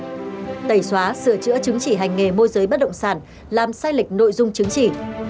tẩy xóa sửa chữa chứng chỉ hành nghề môi giới bất động sản làm sai lệch nội dung chứng chỉ